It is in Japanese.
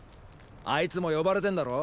あいつも呼ばれてんだろ？